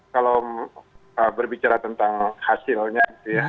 kalau berbicara tentang hasilnya